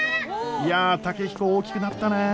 いや健彦大きくなったね。